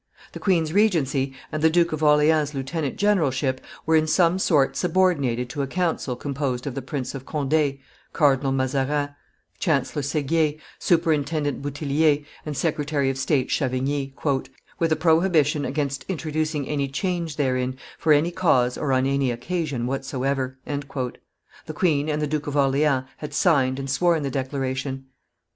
The queen's regency and the Duke of Orleans' lieutenant generalship were in some sort subordinated to a council composed of the Prince of Conde, Cardinal Mazarin, Chancellor Seguier, Superintendent Bouthillier, and Secretary of State Chavigny, "with a prohibition against introducing any change therein, for any cause or on any occasion whatsoever." The queen and the Duke of Orleans had signed and sworn the declaration.